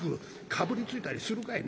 「かぶりついたりするかい。